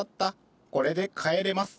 これで帰れます。